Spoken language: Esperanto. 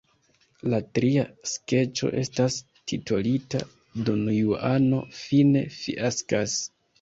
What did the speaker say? La tria skeĉo estas titolita Donjuano fine fiaskas.